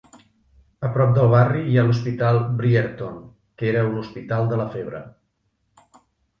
A prop del barri hi ha l'Hospital Brierton, que era un hospital de la febre.